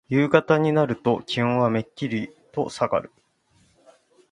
夕方になると気温はめっきりとさがる。